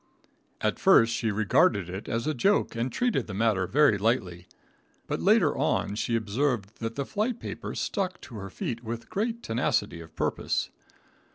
At first she regarded it as a joke, and treated the matter very lightly, but later on she observed that the fly paper stuck to her feet with great tenacity of purpose.